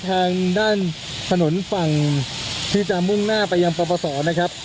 ทางด้านถนนฝั่งที่จะมุ่งหน้าไปยังปปศนะครับ